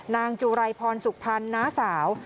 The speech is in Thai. นางจุไรพรสุขพันธ์น้าสาว